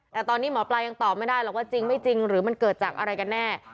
แต่ตอนนี้หมอปลายังตอบไม่ได้หรอกว่าจริงไม่จริงหรือมันเกิดจากอะไรกันแน่